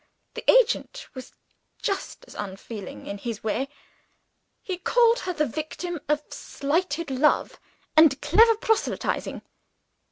The agent was just as unfeeling, in his way. He called her the victim of slighted love and clever proselytizing.